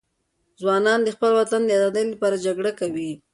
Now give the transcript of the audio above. ځوانان د خپل وطن د آزادۍ لپاره جګړه کوي.